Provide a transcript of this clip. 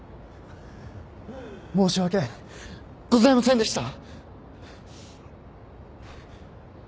申し訳ございませんでした！